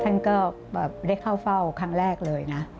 ท่านก็ได้เข้าเฝ้าครั้งแรกเลยนะ